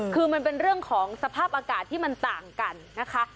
คือมันเป็นเรื่องของสภาพอากาศที่มันต่างกันนะคะ